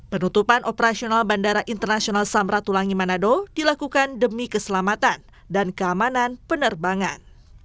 penutupan operasional bandara internasional samratulangi manado dilakukan demi keselamatan dan keamanan penerbangan